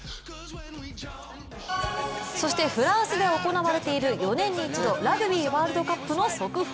そしてフランスで行われている４年に一度、ラグビーワールドカップの速報。